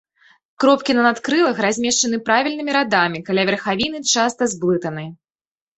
Кропкі на надкрылах размешчаны правільнымі радамі, каля верхавіны часта зблытаны.